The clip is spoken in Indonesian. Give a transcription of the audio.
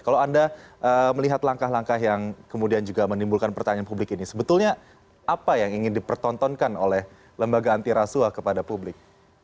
kalau anda melihat langkah langkah yang kemudian juga menimbulkan pertanyaan publik ini sebetulnya apa yang ingin dipertontonkan oleh lembaga antirasuah kepada publik